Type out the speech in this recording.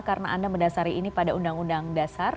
karena anda mendasari ini pada undang undang dasar